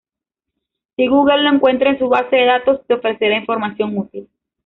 Si Google lo encuentra en su base de datos, te ofrecerá información útil.